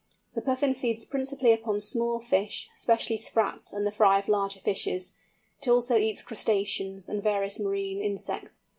The Puffin feeds principally upon small fish, especially sprats and the fry of larger fishes; it also eats crustaceans, and various marine insects.